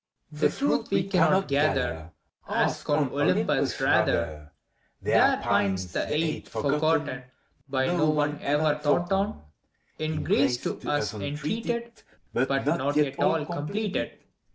The truth we cannot gather : Ask on Olympus, rather I There pines the eighth, forgotten, By no one ever thought on I In grace to us entreated. But not yet all completed.